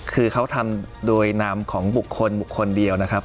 คือเขาทำโดยนามของบุคคลบุคคลเดียวนะครับ